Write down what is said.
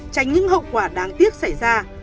tránh những hậu quả đáng tiếc xảy ra